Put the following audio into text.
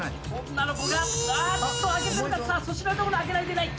女の子があーっと開けてるが粗品のところ開けられていない。